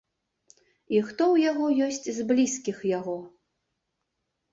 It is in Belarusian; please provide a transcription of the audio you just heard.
І хто ў яго ёсць з блізкіх яго?